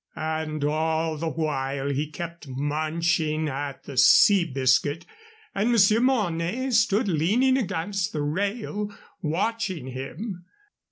And all the while he kept munching at the sea biscuit, and Monsieur Mornay stood leaning against the rail watching him.